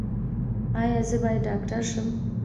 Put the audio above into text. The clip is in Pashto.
ایا زه باید ډاکټر شم؟